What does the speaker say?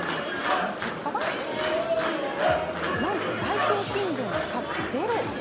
その結果はなんと大腸菌群の数はゼロ。